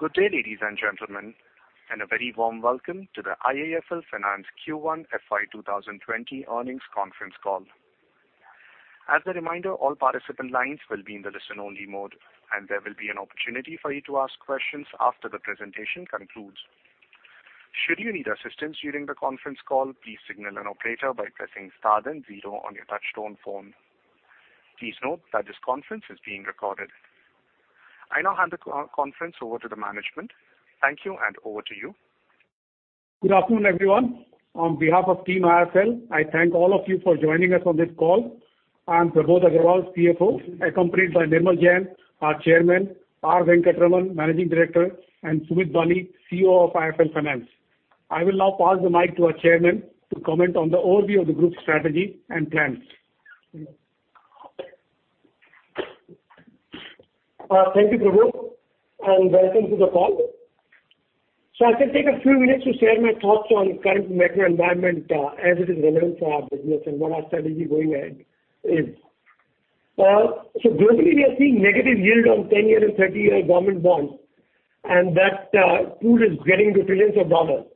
Good day, ladies and gentlemen, a very warm welcome to the IIFL Finance Q1 FY 2020 earnings conference call. As a reminder, all participant lines will be in the listen only mode. There will be an opportunity for you to ask questions after the presentation concludes. Should you need assistance during the conference call, please signal an operator by pressing star then zero on your touchtone phone. Please note that this conference is being recorded. I now hand the conference over to the management. Thank you. Over to you. Good afternoon, everyone. On behalf of Team IIFL, I thank all of you for joining us on this call. I'm Prabodh Agrawal, CFO, accompanied by Nirmal Jain, our Chairman, R. Venkataraman, Managing Director, and Sumit Bali, CEO of IIFL Finance. I will now pass the mic to our Chairman to comment on the overview of the group's strategy and plans. Thank you, Prabodh, and welcome to the call. I shall take a few minutes to share my thoughts on current macro environment as it is relevant for our business and what our strategy going ahead is. Globally, we are seeing negative yield on 10-year and 30-year government bonds, and that pool is getting to trillions of dollars.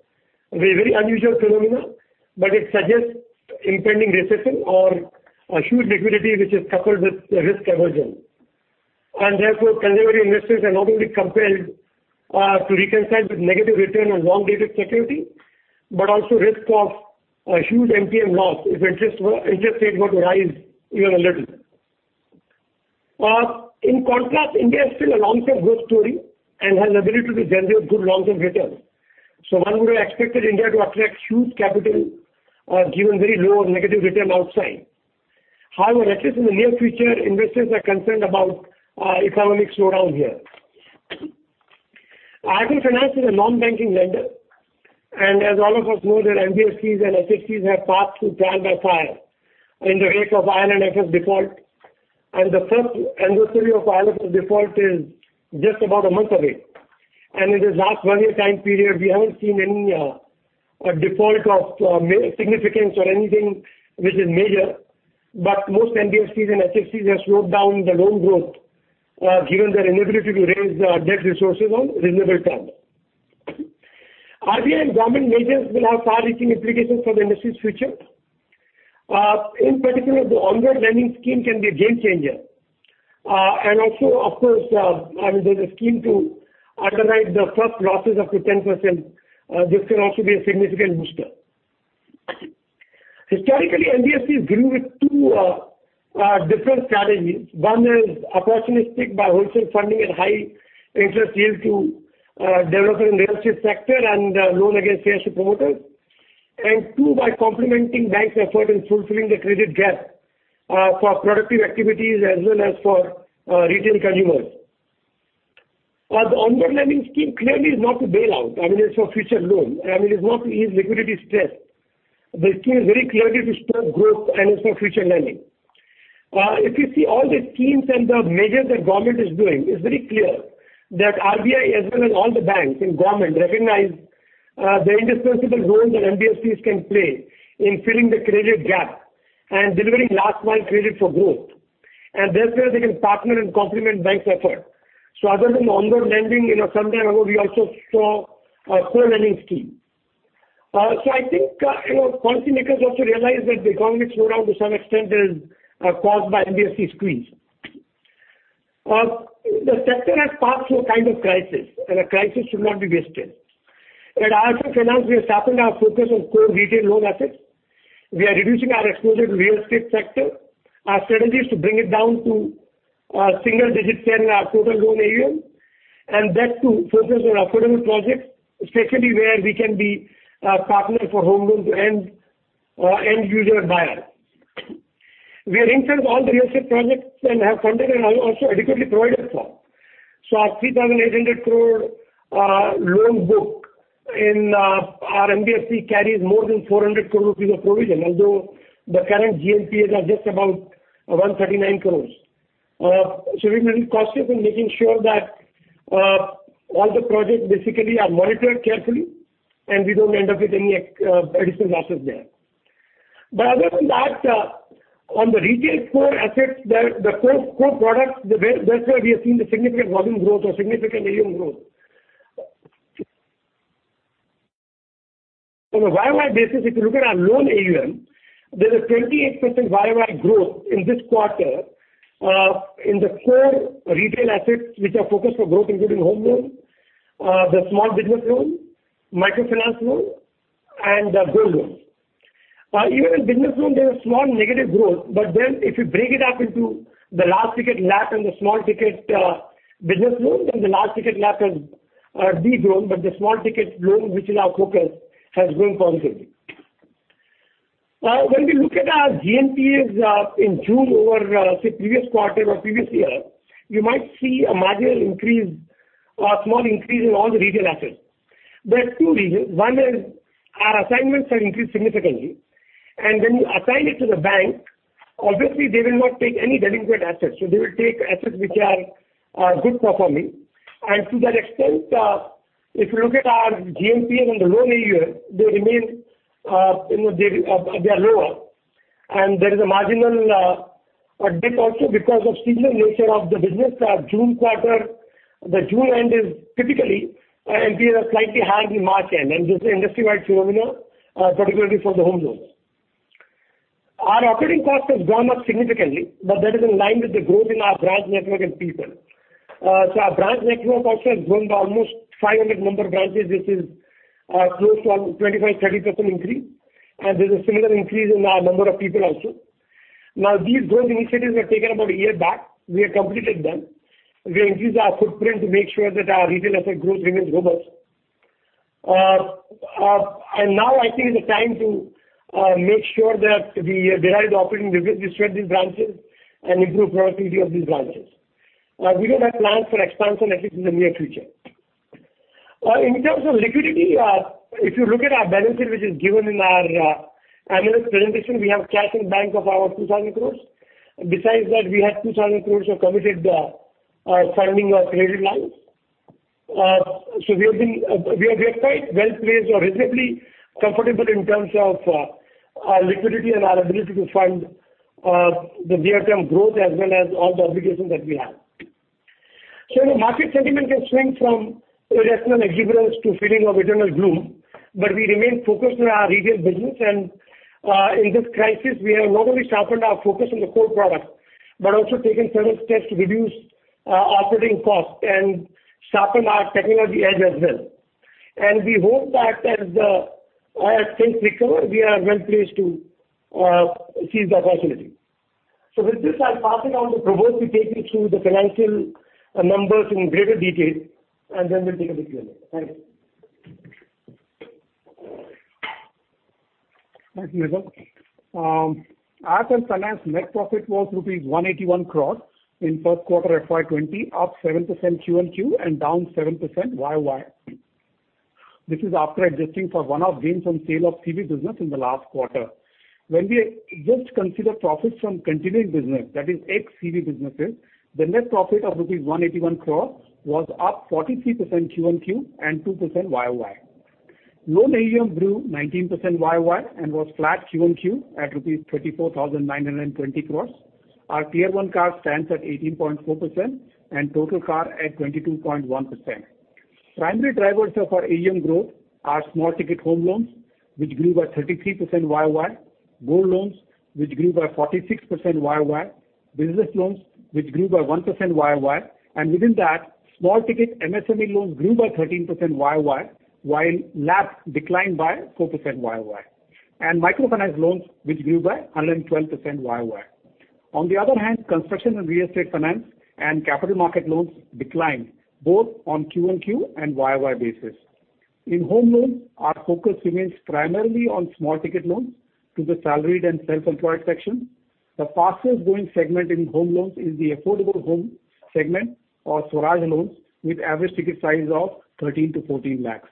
A very unusual phenomenon, but it suggests impending recession or a huge liquidity, which is coupled with risk aversion. Therefore, conservative investors are not only compelled to reconcile with negative return on long-dated security, but also risk of a huge MTM loss if interest rates were to rise even a little. In contrast, India is still a long-term growth story and has ability to generate good long-term returns. One would have expected India to attract huge capital, given very low negative return outside. However, at least in the near future, investors are concerned about economic slowdown here. IIFL Finance is a non-banking lender. As all of us know that NBFCs and SFCs have passed through trial by fire in the wake of IL&FS default. The first anniversary of IL&FS default is just about a month away. In this last one-year time period, we haven't seen any default of significance or anything which is major. Most NBFCs and SFCs have slowed down the loan growth, given their inability to raise debt resources on reasonable terms. RBI and government measures will have far-reaching implications for the industry's future. In particular, the onward lending scheme can be a game changer. Also, of course, there's a scheme to underwrite the first losses up to 10%. This can also be a significant booster. Historically, NBFCs grew with two different strategies. One is opportunistic by wholesale funding at high interest yield to developer in the real estate sector and loan against share to promoters. Two, by complementing banks' effort in fulfilling the credit gap for productive activities as well as for retail consumers. The onward lending scheme clearly is not a bailout. I mean, it's for future loan. I mean, it is not to ease liquidity stress. The scheme is very clearly to spur growth and is for future lending. If you see all the schemes and the measures that government is doing, it's very clear that RBI, as well as all the banks in government, recognize the indispensable role that NBFCs can play in filling the credit gap and delivering last-mile credit for growth. Thereby, they can partner and complement banks' effort. Other than onward lending, sometime ago, we also saw core lending scheme. I think policymakers also realized that the economic slowdown to some extent is caused by NBFC squeeze. The sector has passed through a kind of crisis, and a crisis should not be wasted. At IIFL Finance, we have sharpened our focus on core retail loan assets. We are reducing our exposure to real estate sector. Our strategy is to bring it down to single digit share in our total loan AUM, and that too focused on affordable projects, especially where we can be a partner for home loans to end user buyers. We are insured all the real estate projects and have funded and also adequately provided for. Our 3,800 crore loan book in our NBFC carries more than 400 crore rupees of provision, although the current GNPAs are just about 139 crore. We've been very cautious in making sure that all the projects basically are monitored carefully and we don't end up with any additional losses there. Other than that, on the retail core assets, the core products, that's where we have seen the significant volume growth or significant AUM growth. On a year-over-year basis, if you look at our loan AUM, there's a 28% year-over-year growth in this quarter in the core retail assets, which are focused for growth, including home loans, the small business loan, microfinance loan, and gold loan. Even in business loan, there's a small negative growth. If you break it up into the large ticket LAP and the small ticket business loans, the large ticket LAP has de-grown, but the small ticket loan, which is our focus, has grown positively. When we look at our GNPAs in June over, say, previous quarter or previous year, you might see a marginal increase or small increase in all the retail assets. There are two reasons. One is our assignments have increased significantly. When you assign it to the bank, obviously they will not take any delinquent assets. They will take assets which are good performing. To that extent, if you look at our GNPAs and the loan AUM, they are lower. There is a marginal dip also because of seasonal nature of the business. Our June quarter, the June end is typically an NPA slightly higher than March end, and this is industry-wide phenomena, particularly for the home loans. Our operating cost has gone up significantly, that is in line with the growth in our branch network and people. Our branch network also has grown by almost 500 number branches, which is close to a 25%-30% increase, and there's a similar increase in our number of people also. These growth initiatives were taken about a year back. We have completed them. We increased our footprint to make sure that our retail asset growth remains robust. Now I think it's the time to make sure that we derive the operating benefit, we spread these branches and improve productivity of these branches. We don't have plans for expansion, at least in the near future. In terms of liquidity, if you look at our balance sheet, which is given in our annual presentation, we have cash in bank of over 2,000 crores. Besides that, we have 2,000 crores of committed funding or credit lines. We are quite well-placed or reasonably comfortable in terms of our liquidity and our ability to fund the near-term growth as well as all the obligations that we have. The market sentiment has swung from irrational exuberance to feeling of eternal gloom, but we remain focused on our retail business and, in this crisis, we have not only sharpened our focus on the core product, but also taken several steps to reduce operating costs and sharpen our technology edge as well. We hope that as things recover, we are well-placed to seize the opportunity. With this, I'll pass it on to Prabodh to take you through the financial numbers in greater detail, and then we'll take Q&A. Thank you. Thank you, Nirmal. Asset Finance net profit was rupees 181 crore in first quarter FY 2020, up 7% quarter-over-quarter and down 7% year-over-year. This is after adjusting for one-off gains on sale of CV business in the last quarter. When we just consider profits from continuing business, that is ex-CV businesses, the net profit of rupees 181 crore was up 43% quarter-over-quarter and 2% year-over-year. Loan AUM grew 19% year-over-year and was flat quarter-over-quarter at rupees 24,920 crore. Our Tier 1 CAR stands at 18.4% and total CAR at 22.1%. Primary drivers of our AUM growth are small-ticket home loans, which grew by 33% year-over-year, gold loans, which grew by 46% year-over-year, business loans, which grew by 1% year-over-year, and within that, small ticket MSME loans grew by 13% year-over-year, while LAP declined by 4% year-over-year, and microfinance loans which grew by 112% year-over-year. On the other hand, construction and real estate finance and capital market loans declined both on Q-on-Q and Y-on-Y basis. In home loans, our focus remains primarily on small-ticket loans to the salaried and self-employed section. The fastest growing segment in home loans is the affordable home segment or Swaraj Loans with average ticket size of 13 lakhs-14 lakhs.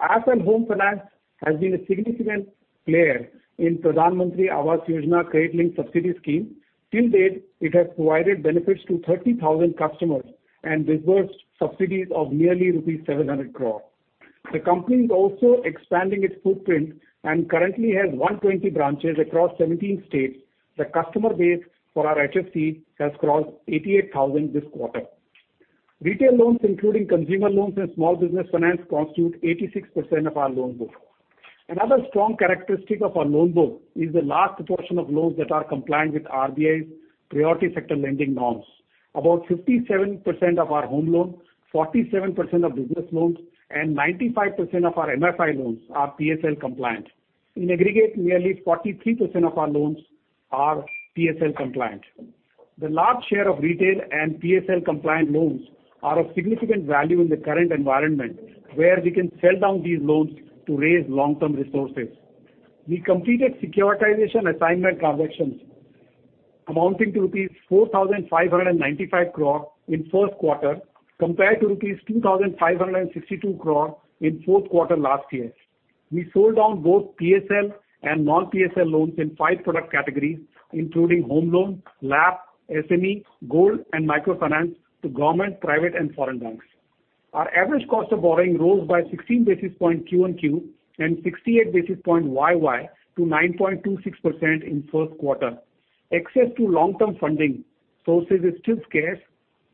IIFL Home Finance has been a significant player in Pradhan Mantri Awas Yojana credit-linked subsidy scheme. Till date, it has provided benefits to 30,000 customers and disbursed subsidies of nearly rupees 700 crores. The company is also expanding its footprint and currently has 120 branches across 17 states. The customer base for our HFC has crossed 88,000 this quarter. Retail loans, including consumer loans and small business finance, constitute 86% of our loan book. Another strong characteristic of our loan book is the large proportion of loans that are compliant with RBI's priority sector lending norms. About 57% of our home loans, 47% of business loans, and 95% of our MFI loans are PSL compliant. In aggregate, nearly 43% of our loans are PSL compliant. The large share of retail and PSL-compliant loans are of significant value in the current environment, where we can sell down these loans to raise long-term resources. We completed securitization assignment transactions amounting to rupees 4,595 crores in first quarter, compared to rupees 2,562 crores in fourth quarter last year. We sold down both PSL and non-PSL loans in five product categories, including home loan, LAP, SME, gold, and microfinance to government, private, and foreign banks. Our average cost of borrowing rose by 16 basis point Q-on-Q and 68 basis point Y-on-Y to 9.26% in first quarter. Access to long-term funding sources is still scarce,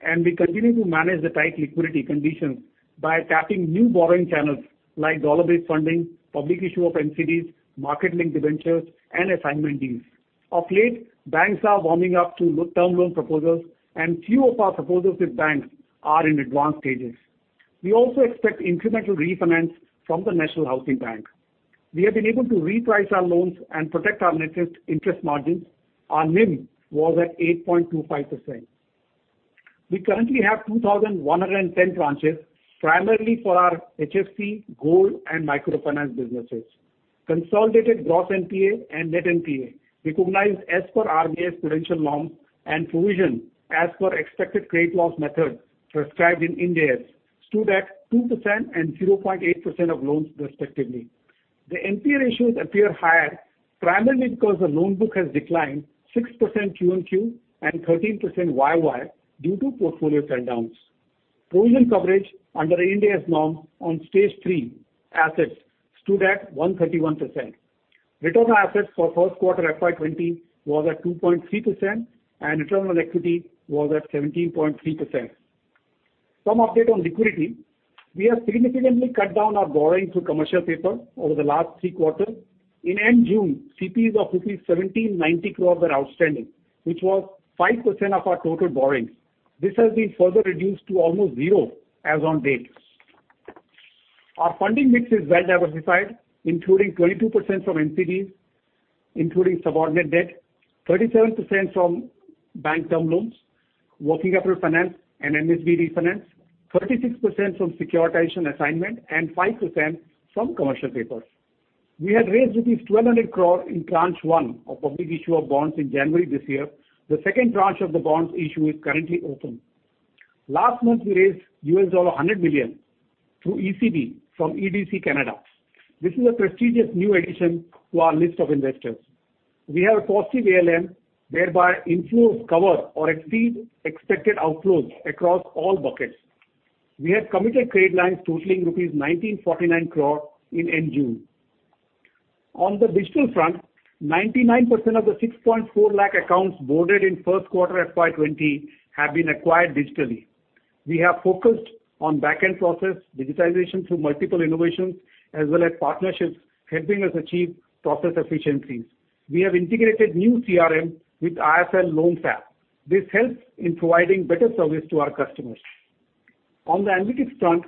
and we continue to manage the tight liquidity conditions by tapping new borrowing channels like dollar-based funding, public issue of NCDs, market-linked debentures, and assignment deals. Of late, banks are warming up to term loan proposals, and few of our proposals with banks are in advanced stages. We also expect incremental refinance from the National Housing Bank. We have been able to reprice our loans and protect our net interest margins. Our NIM was at 8.25%. We currently have 2,110 branches, primarily for our HFC, gold, and microfinance businesses. Consolidated gross NPA and net NPA, recognized as per RBI's prudential norms and provision as per expected credit loss method prescribed in Ind AS, stood at 2% and 0.8% of loans respectively. The NPA ratios appear higher, primarily because the loan book has declined 6% Q-on-Q and 13% Y-on-Y due to portfolio sell downs. Provision coverage under the Ind AS norm on Stage 3 assets stood at 131%. Return on assets for first quarter FY 2020 was at 2.3%, and return on equity was at 17.3%. Some update on liquidity. We have significantly cut down our borrowings through commercial paper over the last three quarters. In end June, CPs of rupees 1,790 crores were outstanding, which was 5% of our total borrowings. This has been further reduced to almost zero as on date. Our funding mix is well-diversified, including 22% from NCDs, including subordinate debt, 37% from bank term loans, working capital finance, and NHB refinance, 36% from securitization assignment, and 5% from commercial papers. We had raised 1,200 crores in tranche one of public issue of bonds in January this year. The second tranche of the bonds issue is currently open. Last month, we raised $100 million through ECB from EDC Canada. This is a prestigious new addition to our list of investors. We have a positive ALM whereby inflows cover or exceed expected outflows across all buckets. We had committed credit lines totaling rupees 1,949 crores in end June. On the digital front, 99% of the 6.4 lakh accounts boarded in first quarter FY 2020 have been acquired digitally. We have focused on back-end process digitization through multiple innovations as well as partnerships, helping us achieve process efficiencies. We have integrated new CRM with IIFL LoanFab. This helps in providing better service to our customers. On the analytics front,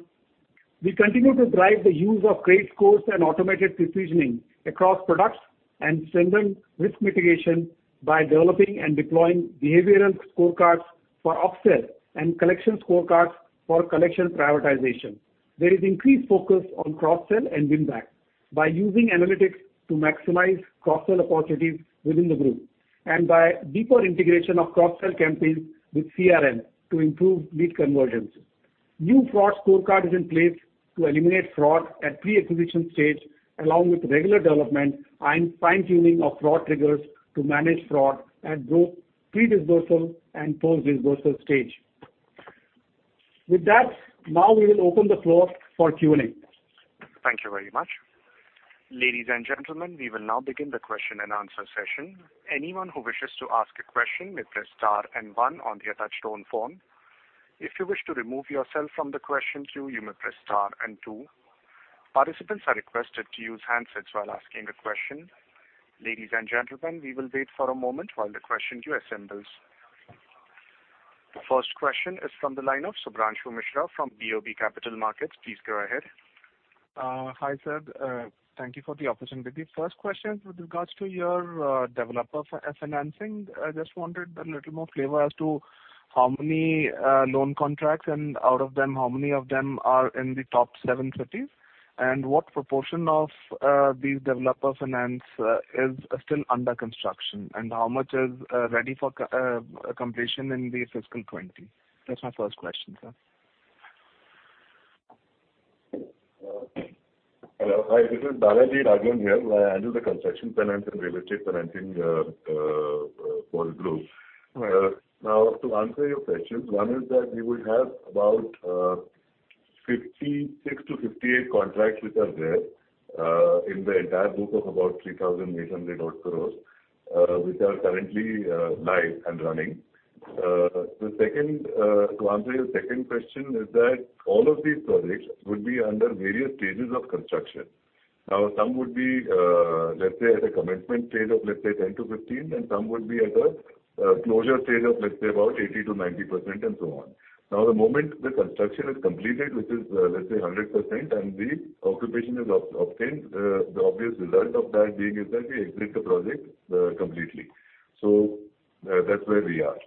we continue to drive the use of credit scores and automated pre-seasoning across products and strengthen risk mitigation by developing and deploying behavioral scorecards for upsell and collection scorecards for collection prioritization. There is increased focus on cross-sell and win-back by using analytics to maximize cross-sell opportunities within the group and by deeper integration of cross-sell campaigns with CRM to improve lead conversions. New fraud scorecard is in place to eliminate fraud at pre-acquisition stage, along with regular development and fine-tuning of fraud triggers to manage fraud at both pre-disbursement and post-disbursement stage. With that, now we will open the floor for Q&A. Thank you very much. Ladies and gentlemen, we will now begin the question and answer session. Anyone who wishes to ask a question may press star and one on the attached phone. If you wish to remove yourself from the question queue, you may press star and two. Participants are requested to use handsets while asking a question. Ladies and gentlemen, we will wait for a moment while the question queue assembles. First question is from the line of Shubhranshu Mishra from BOB Capital Markets. Please go ahead. Hi, sir. Thank you for the opportunity. First question with regards to your developer financing. I just wanted a little more flavor as to how many loan contracts, and out of them, how many of them are in the top seven cities, and what proportion of these developer finance is still under construction, and how much is ready for completion in the fiscal 2020? That's my first question, sir. Hello. Hi, this is Balaji Raghavan here. I handle the construction finance and real estate financing for the group. Right. To answer your questions, one is that we would have about 56 to 58 contracts which are there in the entire book of about 3,800 odd crore, which are currently live and running. To answer your second question is that all of these projects would be under various stages of construction. Some would be, let's say, at a commencement stage of, let's say, 10 to 15, and some would be at a closure stage of, let's say, about 80%-90% and so on. The moment the construction is completed, which is, let's say, 100%, and the occupation is obtained, the obvious result of that being is that we exit the project completely. That's where we are.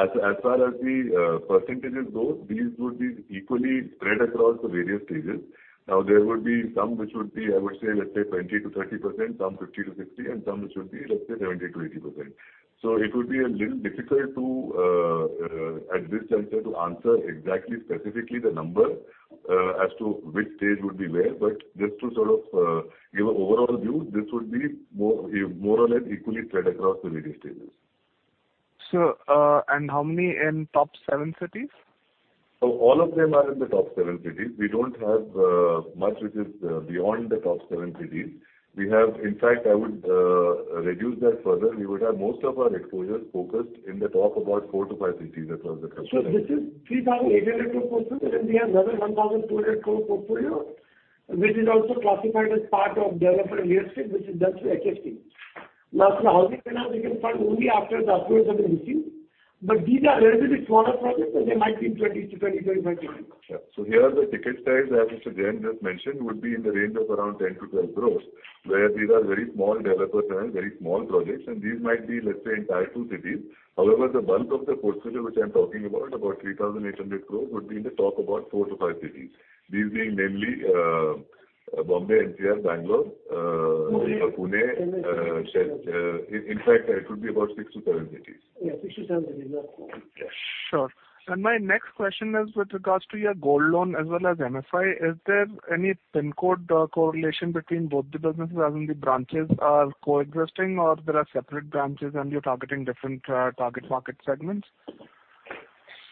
As far as the percentages go, these would be equally spread across the various stages. There would be some which would be, I would say, let's say, 20%-30%, some 50%-60%, and some which would be, let's say, 70%-80%. It would be a little difficult at this juncture to answer exactly specifically the number as to which stage would be where, but just to sort of give an overall view, this would be more or less equally spread across the various stages. Sir, how many in top seven cities? All of them are in the top seven cities. We don't have much which is beyond the top seven cities. In fact, I would reduce that further. We would have most of our exposure focused in the top about four to five cities across the country. This is INR 3,800 crore portfolio, and we have another INR 1,200 crore portfolio, which is also classified as part of developer real estate, which is done through HFC. For housing finance, we can fund only after the approvals have been received. These are relatively smaller projects, they might be in 20% to 20%, 25%. Here are the ticket size that Mr. Jain just mentioned would be in the range of around 10-12 crore, where these are very small developer finance, very small projects, and these might be, let's say, in Tier 2 cities. However, the bulk of the portfolio, which I am talking about 3,800 crore, would be in the top about four to five cities. These being namely Bombay, NCR, Bangalore. Pune Pune. In fact, it would be about six to seven cities. Yeah, six to seven cities are correct. Sure. My next question is with regards to your gold loan as well as MFI. Is there any pin code correlation between both the businesses, as in the branches are coexisting or there are separate branches and you're targeting different target market segments?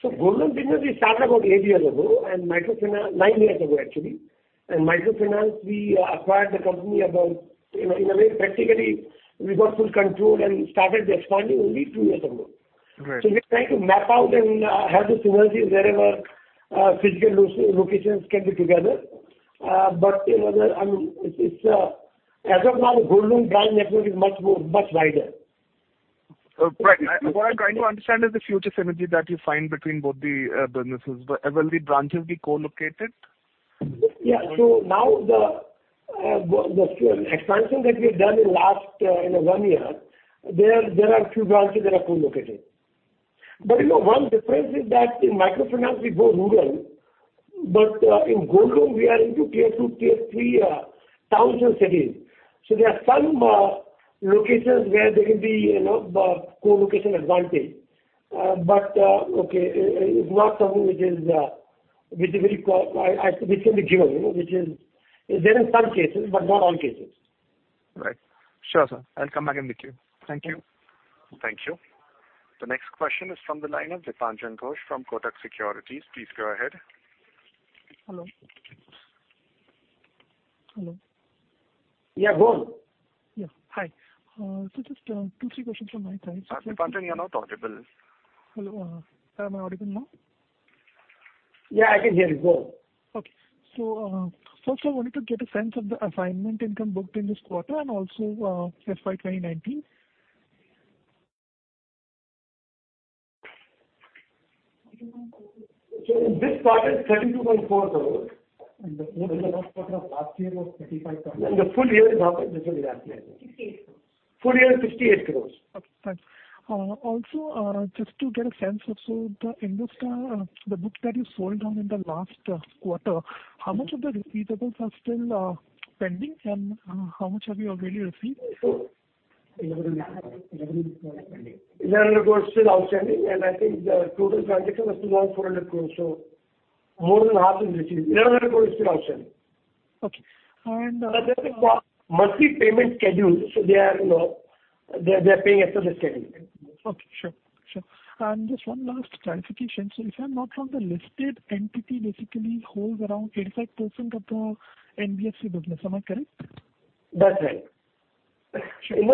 Gold loan business we started about eight years ago, nine years ago actually. Microfinance, we acquired the company about, in a way, practically we got full control and started expanding only two years ago. Right. We're trying to map out and have the synergies wherever physical locations can be together. As of now, the Gold Loan branch network is much wider. What I'm trying to understand is the future synergy that you find between both the businesses. Will the branches be co-located? Yeah. Now the expansion that we've done in last one year, there are few branches that are co-located. One difference is that in microfinance, we go rural but in Gold loan, we are into tier 2, tier 3 towns and cities. There are some locations where there can be co-location advantage. Okay, it's not something which can be given. It's there in some cases, but not all cases. Right. Sure, sir. I'll come back and with you. Thank you. Thank you. The next question is from the line of Dipanjan Ghosh from Kotak Securities. Please go ahead. Hello. Hello. Yeah, go on. Yeah, hi. Just two, three questions from my side. Dipanjan, you're not audible. Hello. Am I audible now? Yeah, I can hear you. Go on. Okay. First I wanted to get a sense of the assignment income booked in this quarter and also FY 2019. In this quarter, INR 72.4 crores. The corresponding quarter of last year was 35 crores. The full year is half of this year, last year. INR 58 crores. Full year 58 crores. Okay, Thanks. Just to get a sense of, so the IndusInd, the book that you sold down in the last quarter, how much of the receivables are still pending, and how much have you already received? INR 11 crores still outstanding, and I think the total transaction was around INR 400 crores. More than half is received. INR 11 crores is still outstanding. Okay. There is a monthly payment schedule, so they are paying as per the schedule. Okay, sure. Just one last clarification. If I'm not wrong, the listed entity basically holds around 85% of the NBFC business. Am I correct? That's right. Sure. 85%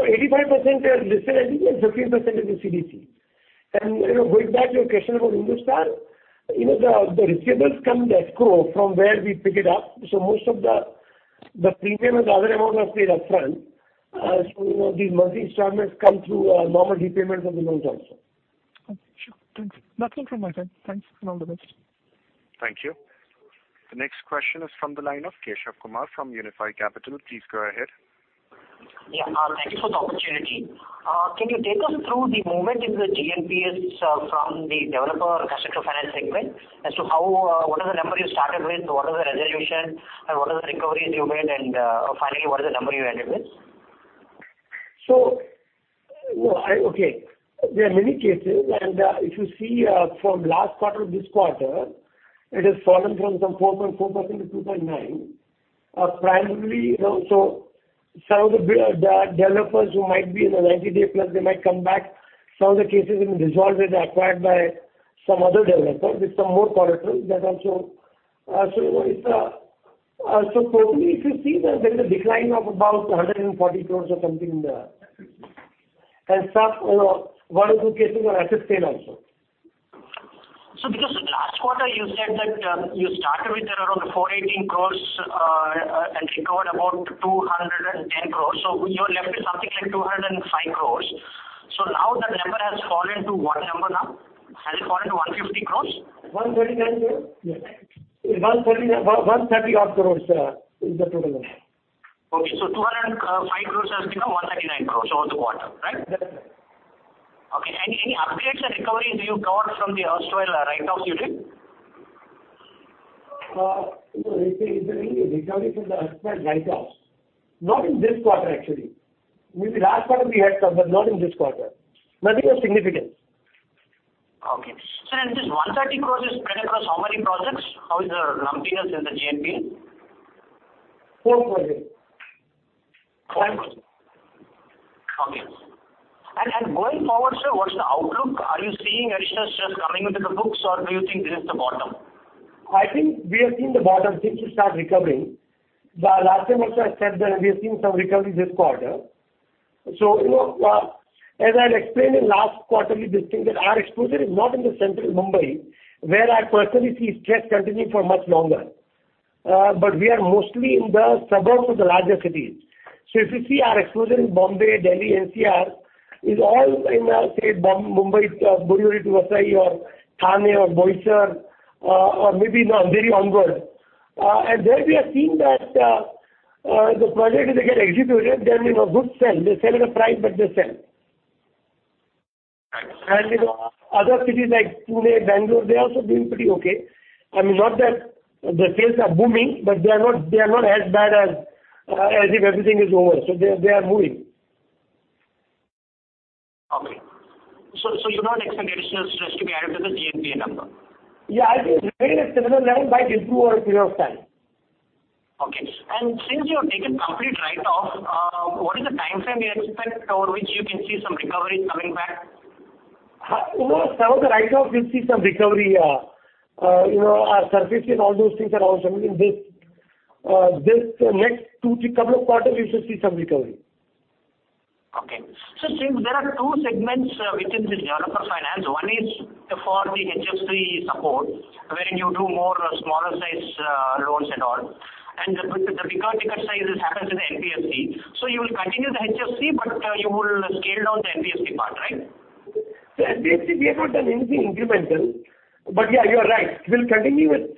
are listed entity and 15% is the CDC. Going back to your question about IndusInd, the receivables come to escrow from where we pick it up, so most of the premium and other amount was paid upfront. These monthly installments come through normal repayments of the loans also. Okay, sure. Thanks. That's all from my side. Thanks and all the best. Thank you. The next question is from the line of Keshav Kumar from Unifi Capital. Please go ahead. Yeah. Thank you for the opportunity. Can you take us through the movement in the GNPA from the developer constructor finance segment as to what are the number you started with, what are the resolution, and what are the recoveries you made, and finally, what is the number you ended with? Okay. There are many cases, if you see from last quarter to this quarter, it has fallen from some 4.4% to 2.9. Primarily, some of the developers who might be in the 90-day plus, they might come back. Some of the cases have been resolved and acquired by some other developers with some more collaterals. Totally, if you see, there is a decline of about 140 crore or something, and some, one or two cases are at stale also. Because last quarter you said that you started with around 418 crores, and recovered about 210 crores. You're left with something like 205 crores. Now that number has fallen to what number now? Has it fallen to 150 crores? 139, yeah. Yeah. 130 odd crores is the total now. Okay. 205 crores has become 139 crores over the quarter, right? That's it. Okay. Any updates on recovery you covered from the erstwhile write-offs you did? No, recovery from the erstwhile write-offs. Not in this quarter, actually. Maybe last quarter we had some, but not in this quarter. Nothing of significance. Okay. Sir. This 130 crore is spread across how many projects? How is the lumpiness in the GNPA? Four projects. Four projects. Okay. Going forward, sir, what's the outlook? Are you seeing additional stress coming into the books or do you think this is the bottom? I think we have seen the bottom since we start recovering. Last time also I said that we have seen some recovery this quarter. As I explained in last quarterly, this thing that our exposure is not in the central Mumbai, where I personally see stress continuing for much longer. We are mostly in the suburbs of the larger cities. If you see our exposure in Mumbai, Delhi, NCR is all in, say, Mumbai's Borivali to Vasai or Thane or Boisar or maybe Nallasopara onwards. There we have seen that the project, if they get executed, they are in a good sell. They sell at a price, but they sell. Right. Other cities like Pune, Bangalore, they are also doing pretty okay. Not that the sales are booming, but they are not as bad as if everything is over. They are moving. Okay. You don't expect additional stress to be added to the GNPA number? Yeah, I think remain at similar level by till two or three years' time. Okay. Since you have taken complete write-off, what is the timeframe you expect over which you can see some recoveries coming back? Some of the write-off, we'll see some recovery. Our SARFAESI, all those things are also. This next couple of quarters, you should see some recovery. Okay. Since there are two segments within the developer finance, one is for the HFC support, wherein you do more smaller size loans and all. The bigger ticket size happens in the NBFC. You will continue the HFC, but you will scale down the NBFC part, right? NBFC, we have not done anything incremental. Yeah, you are right, we'll continue with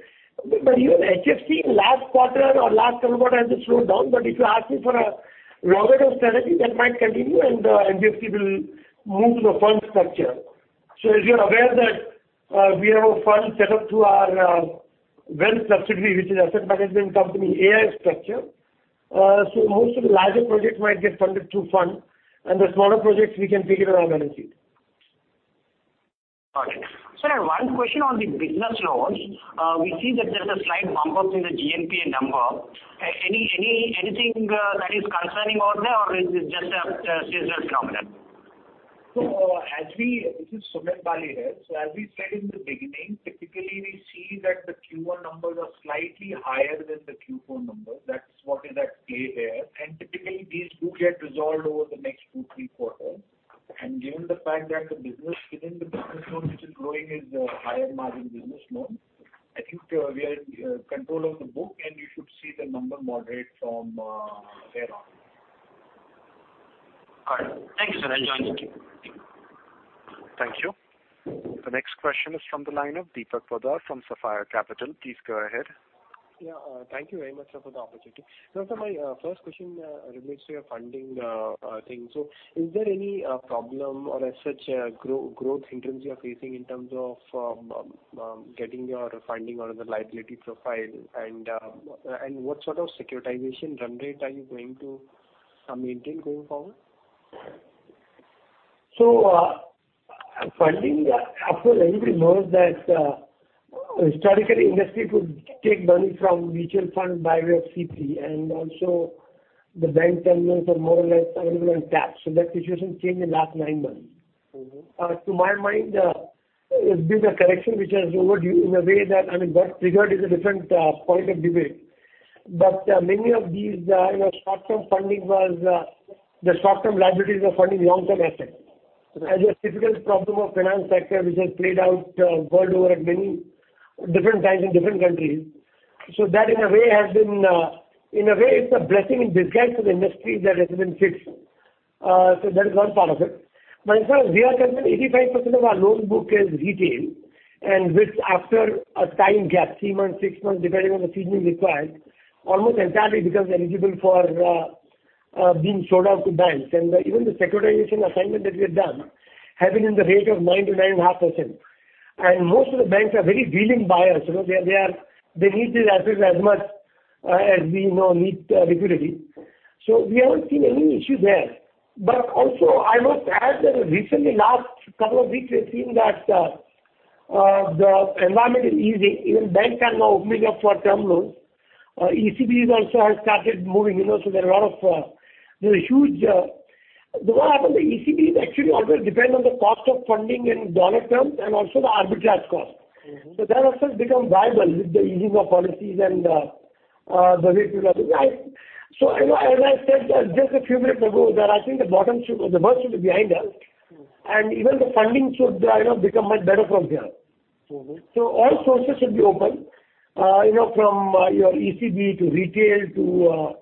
But even HFC last quarter or last couple of quarters has slowed down. If you ask me for a longer-term strategy, that might continue and NBFC will move to the fund structure. As you're aware that we have a fund set up through our wealth subsidiary, which is asset management company, AIF structure. Most of the larger projects might get funded through fund, and the smaller projects we can figure on our own NBFC. Got it. Sir, one question on the business loans. We see that there's a slight bump up in the GNPA number. Anything that is concerning over there, or is this just a seasonal phenomenon? This is Sumit Bali here. As we said in the beginning, typically, we see that the Q1 numbers are slightly higher than the Q4 numbers. That's what is at play here. Typically, these do get resolved over the next two-three quarters. Given the fact that within the business loan, which is growing is a higher margin business loan, I think we are in control of the book, and you should see the number moderate from there on. Got it. Thank you, sir. I'll join the queue. Thank you. The next question is from the line of Deepak Poddar from Sapphire Capital. Please go ahead. Yeah. Thank you very much, sir, for the opportunity. Sir, my first question relates to your funding thing. Is there any problem or as such growth hindrance you are facing in terms of getting your funding or the liability profile? What sort of securitization run rate are you going to maintain going forward? Funding, of course, everybody knows that historically industry could take money from mutual fund by way of CP, and also the bank term loans are more or less available on tap. That situation changed in last nine months. To my mind, it's been a correction which was overdue in the way that, what triggered is a different point of debate. Many of these short-term liabilities were funding long-term assets. Correct. As a typical problem of finance sector, which has played out world over at many different times in different countries. That in a way, it's a blessing in disguise to the industry that has been fixed. That is one part of it. In fact, we are certain 85% of our loan book is retail, and which after a time gap, three months, six months, depending on the seasoning required, almost entirely becomes eligible for being sold off to banks. Even the securitization assignment that we have done have been in the range of 9%-9.5%. Most of the banks are very willing buyers. They need these assets as much as we need liquidity. We haven't seen any issue there. Also, I must add that recently, last couple of weeks, we've seen that the environment is easing. Even bank term now opening up for term loans. ECBs also have started moving. The ECBs actually always depend on the cost of funding in dollar terms and also the arbitrage cost. That also has become viable with the easing of policies and the regulatory. As I said just a few minutes ago that I think the worst should be behind us, and even the funding should become much better from here. All sources should be open from your ECB to retail to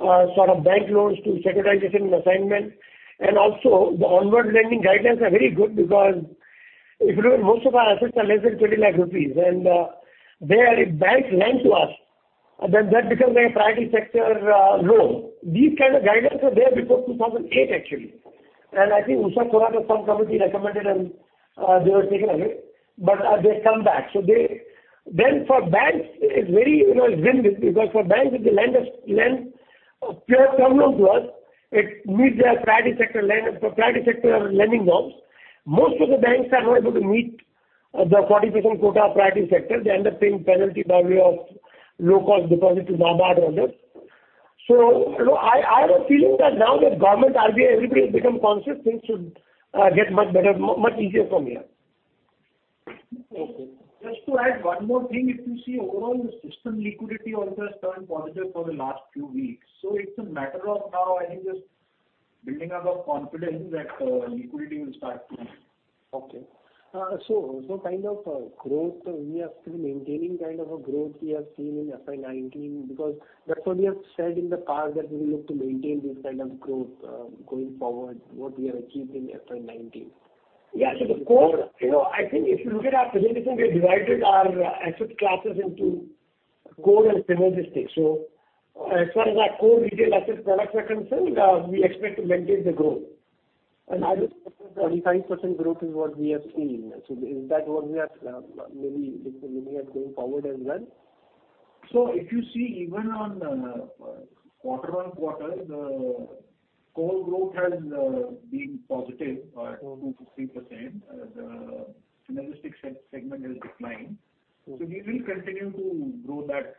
bank loans to securitization assignment. Also, the onward lending guidelines are very good because if you look, most of our assets are less than 20 lakh rupees, and there if banks lend to us, then that becomes a priority sector loan. These kind of guidelines were there before 2008, actually. I think Usha Thorat or some committee recommended, and they were taken away, but they've come back. For banks, it's very win-win because for banks, if they lend a pure term loan to us, it meets their Priority Sector Lending norms. Most of the banks are not able to meet the 40% quota of priority sector. They end up paying penalty by way of low-cost deposits to NABARD or others. I have a feeling that now that government, RBI, everybody has become conscious, things should get much easier from here. Okay. Just to add one more thing. If you see overall, the system liquidity also has turned positive for the last few weeks. It's a matter of now, I think, just building up of confidence that liquidity will start flowing. Kind of growth we are still maintaining kind of a growth we have seen in FY 2019, because that's what we have said in the past, that we look to maintain this kind of growth going forward, what we have achieved in FY 2019. I think if you look at our presentation, we have divided our asset classes into core and synergistic. As far as our core retail asset products are concerned, we expect to maintain the growth. I think 45% growth is what we have seen. Is that what we are maybe looking at going forward as well? If you see even on quarter on quarter the Core growth has been positive at 2%-3%. The synergistic segment has declined. We will continue to grow that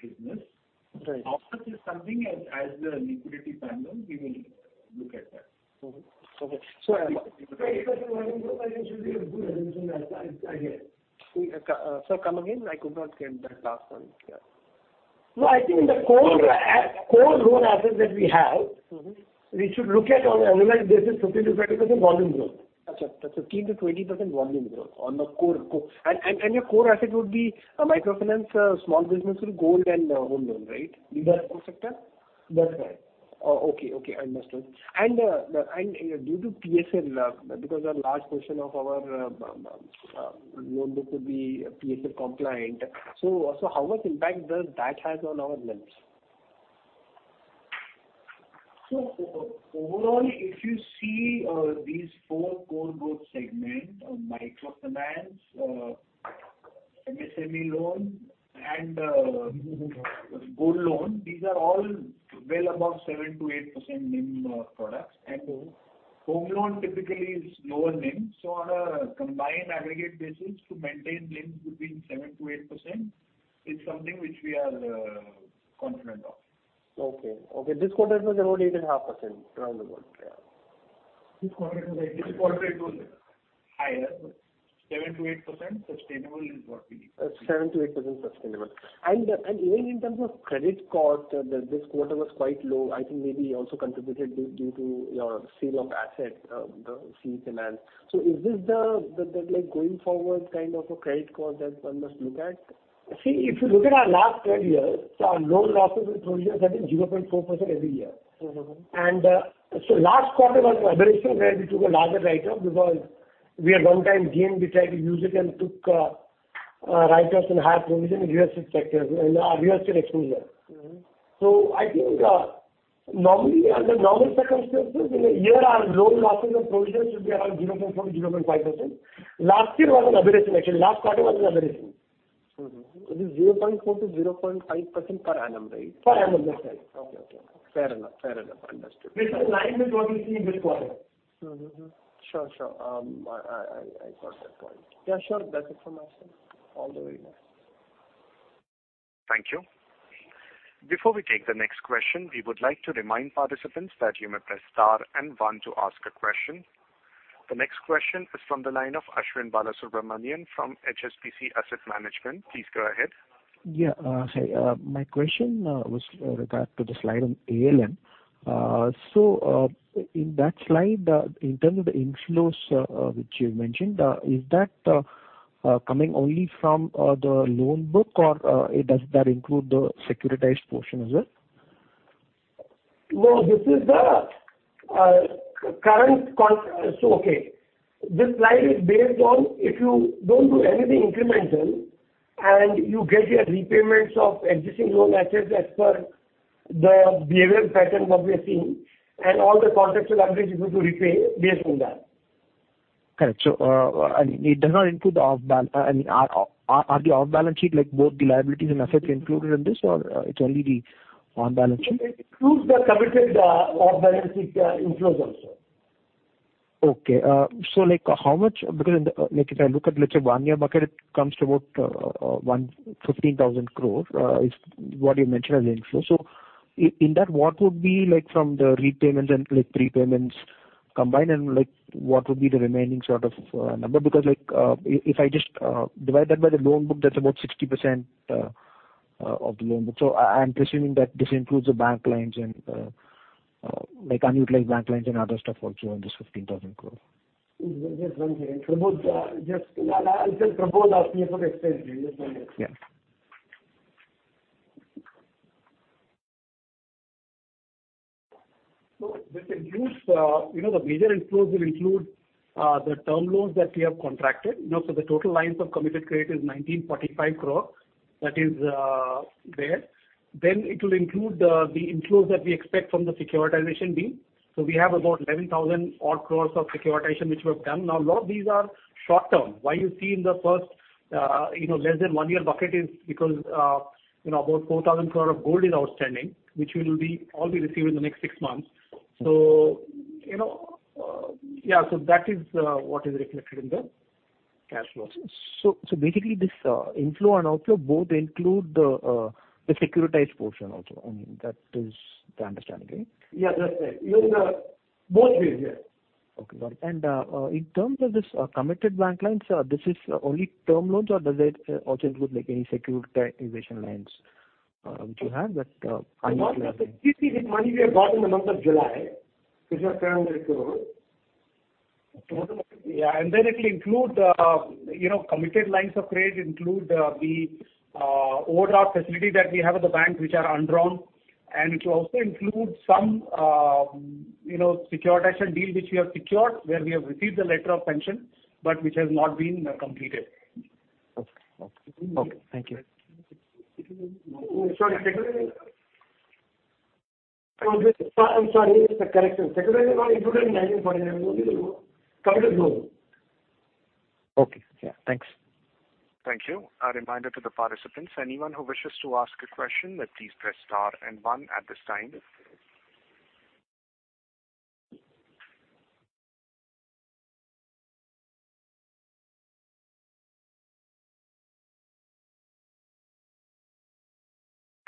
business. Right. After this something as the liquidity panel, we will look at that. Okay. Should be a good assumption I hear. Sir, come again. I could not get that last one, yeah. No, I think in the core loan assets that we have- We should look at on an annual basis, 15%-20% volume growth. Okay. 15%-20% volume growth on the core. Your core asset would be microfinance, small business with gold and home loan, right? These are core sector? That's right. Okay. I understand. Due to PSL, because a large portion of our loan book will be PSL compliant, so how much impact does that have on our NIMs? Overall, if you see these 4 core growth segments, microfinance, MSME loan and gold loan, these are all well above 7%-8% NIM products. Okay. Home loan typically is lower NIM, so on a combined aggregate basis to maintain NIMs between seven % to eight % is something which we are confident of. Okay. This quarter it was around 8.5%, around about, yeah. This quarter it was higher. 7%-8% sustainable is what we believe. Seven to eight % sustainable. Even in terms of credit cost, this quarter was quite low. I think maybe also contributed due to your sale of asset, the CE Finance. Is this going forward kind of a credit cost that one must look at? See, if you look at our last 12 years, our loan losses and provisions are at 0.4% every year. Last quarter was an aberration where we took a larger write-off because we had one-time gain, we tried to use it and took write-offs and higher provision in our CRE exposure. I think under normal circumstances, in a year our loan losses and provisions should be around 0.4%-0.5%. Last year was an aberration actually. Last quarter was an aberration. Mm-hmm. It is 0.4%-0.5% per annum, right? Per annum, that's right. Okay. Fair enough. Understood. Which is line with what we see this quarter. Mm-hmm. Sure. I got that point. Yeah, sure. That's it from my side. All the way here. Thank you. Before we take the next question, we would like to remind participants that you may press star and one to ask a question. The next question is from the line of Ashwin Balasubramanian from HSBC Asset Management. Please go ahead. Yeah. Hi. My question was with regard to the slide on ALM. In that slide, in terms of the inflows which you mentioned, is that coming only from the loan book or does that include the securitized portion as well? This is the current. This slide is based on if you don't do anything incremental and you get your repayments of existing loan assets as per the behavior pattern what we are seeing and all the contracts of which is going to repay based on that. Correct. It does not include the off-balance. Are the off-balance sheet, both the liabilities and assets included in this or it's only the on-balance sheet? It includes the committed off-balance sheet inflows also. Okay. If I look at, let's say one-year bucket, it comes to about 15,000 crores is what you mentioned as inflow. In that, what would be from the repayments and prepayments combined and what would be the remaining sort of number? Because if I just divide that by the loan book, that's about 60% of the loan book. I'm presuming that this includes the bank lines and unutilized bank lines and other stuff also in this 15,000 crores. Just one second. I'll tell Prabodh to ask me for the explanation, just one second. Yeah. This includes, the major inflows will include the term loans that we have contracted. The total lines of committed credit is 1,945 crore. That is there. Then it will include the inflows that we expect from the securitization deal. We have about 11,000 odd crore of securitization which we have done. A lot of these are short-term. Why you see in the first less than one year bucket is because about 4,000 crore of gold is outstanding, which will be all received in the next six months. That is what is reflected in the cash flows. Basically this inflow and outflow both include the securitized portion also. I mean, that is the understanding, right? Yeah, that's right. Both ways, yeah. Okay, got it. In terms of this committed bank lines, this is only term loans or does it also include any securitization lines which you have that? money we have got in the month of July, which was INR 700 crores. Total amount. Yeah, then it will include committed lines of credit include the overdraft facility that we have with the bank which are undrawn and it will also include some securitization deal which we have secured where we have received the letter of sanction but which has not been completed. Okay. Thank you. Sorry. Correction. Securitization not included in 1949, only the committed loans. Okay. Yeah. Thanks. Thank you. A reminder to the participants, anyone who wishes to ask a question, please press star and one at this time.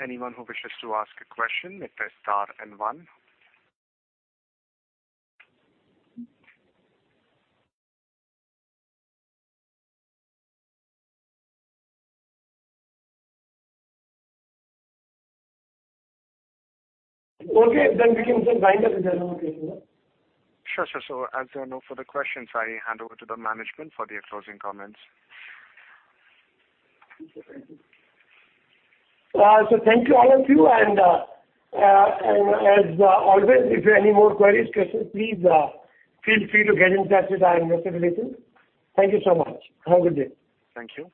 Anyone who wishes to ask a question may press star and one. Okay. We can say binder is an okay for that. Sure. As there are no further questions, I hand over to the management for the closing comments. Thank you. Thank you all of you and as always if you have any more queries, questions, please feel free to get in touch with our investor relation. Thank you so much. Have a good day. Thank you.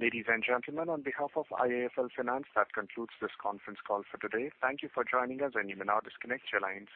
Ladies and gentlemen, on behalf of IIFL Finance that concludes this conference call for today. Thank you for joining us and you may now disconnect your lines.